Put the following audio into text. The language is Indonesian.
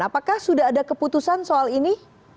apakah sudah ada keputusan soal ini